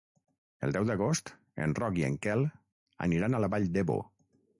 El deu d'agost en Roc i en Quel aniran a la Vall d'Ebo.